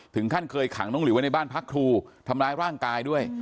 ถึงขั้นเคยขังน้องหลิวไว้ในบ้านพักครูทำร้ายร่างกายด้วย